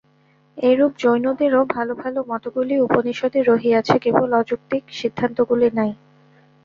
এইরূপ জৈনদেরও ভাল ভাল মতগুলি উপনিষদে রহিয়াছে, কেবল অযৌক্তিক সিদ্ধান্তগুলি নাই।